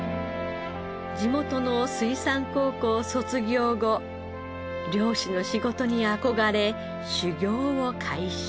地元の水産高校を卒業後漁師の仕事に憧れ修業を開始。